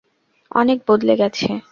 অনেক বদলে গেছে।